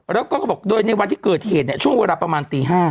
แล้วก็เขาบอกโดยในวันที่เกิดเหตุเนี่ยช่วงเวลาประมาณตี๕